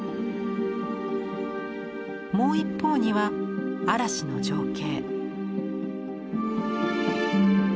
もう一方には嵐の情景。